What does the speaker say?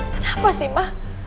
kenapa sih ma